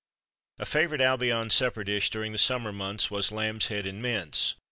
A favourite Albion supper dish during the summer months was Lamb's Head and Mince.